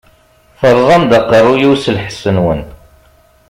Teṛṛẓam-d aqeṛṛu-yiw s lḥess-nwen!